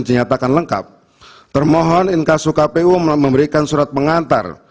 dinyatakan lengkap termohon inkasu kpu memberikan surat pengantar